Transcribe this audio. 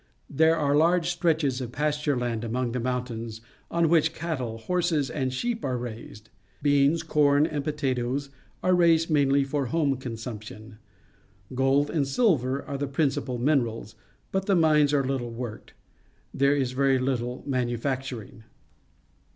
There are large stretches of pasture land among the mountains, on which cattle, horses, and sheep are raised. Beans, corn, and potatoes are raised mainly for home con sumption. Gold and silver are the principal minerals, but the mines are httle worked. There is very httle manufacturing.